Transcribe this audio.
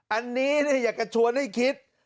อันนี้อยากจะชวนให้คิด